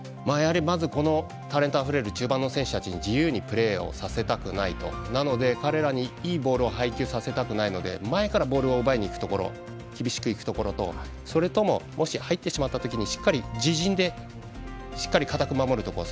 まず、タレントあふれる中盤の選手たちに自由にプレーをさせたくないとなので、彼らにはいいボールを配球させたくないので前からボールを奪いにいくところ厳しくいくところとそれと、もし入ってしまった時にしっかり自陣で堅く守るところ。